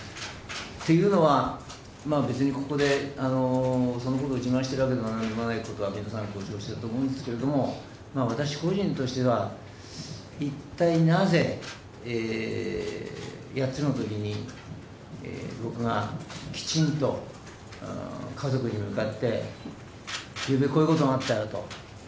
というのは、別にここで、そのことを自慢してるわけでもなんでもないことは、皆さん、ご承知だと思うんですけれども、私個人としては、一体なぜ、８つのときに、僕がきちんと家族に向かって、昨夜、こういうことがあったよと。